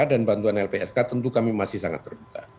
dan bantuan lpsk tentu kami masih sangat terbuka